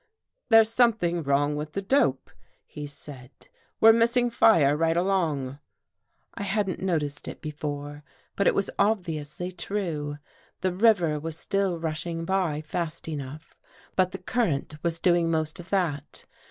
There's something wrong with the dope," he said. We're missing fire right along." I hadn't noticed it before, but it was obviously true. The river was still rushing by fast enough, but the current was doing most of that.